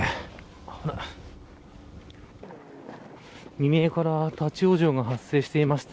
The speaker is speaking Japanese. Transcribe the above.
未明から立ち往生が発生していました